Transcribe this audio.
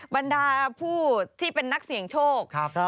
บรรดาผู้ที่เป็นนักเสี่ยงโชค